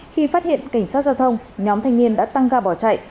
khi phát hiện cảnh sát giao thông nhóm thanh niên đã tăng ga bỏ chạy